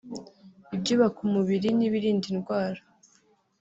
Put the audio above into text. ibyubaka umubiri n’ibirinda indwara